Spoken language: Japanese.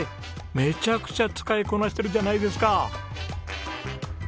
めちゃくちゃ使いこなしてるじゃないですか。